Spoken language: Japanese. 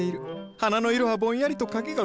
花の色はぼんやりと影が薄い。